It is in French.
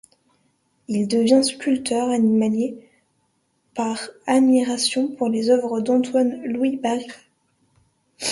Il devient sculpteur animalier par admiration pour les œuvres d'Antoine-Louis Barye.